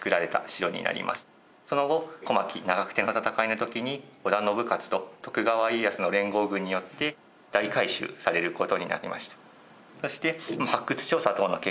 その後小牧・長久手の戦いの時に織田信雄と徳川家康の連合軍によって大改修される事になりました。